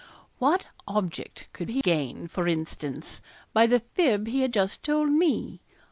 What object could he gain, for instance, by the fib he had just told me?